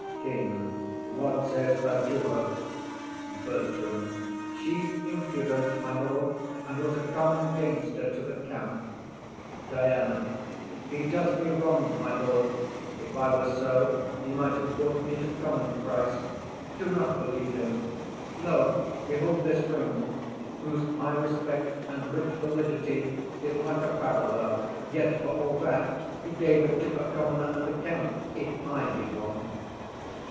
KING. What say'st thou to her? BERTRAM. She's impudent, my lord, And was a common gamester to the camp. DIANA. He does me wrong, my lord; if I were so He might have bought me at a common price. Do not believe him. O, behold this ring, Whose high respect and rich validity Did lack a parallel; yet for all that He gave it to a commoner o' the camp, If I be one.